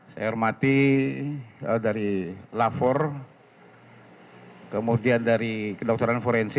saya hormati dari lapor kemudian dari kedokteran forensik